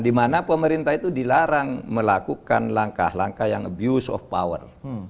dimana pemerintah itu dilarang melakukan langkah langkah yang abuse of power